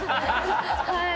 はい。